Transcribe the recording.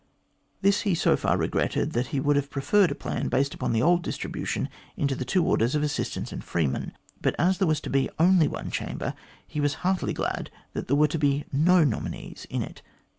This he so far regretted, that he would have preferred a plan based upon the old distribution into the two orders of assistants and freemen, but as there was to be only one chamber, he was heartily glad that there were to be no nominees in it.